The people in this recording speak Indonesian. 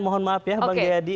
mohon maaf ya bang jayadi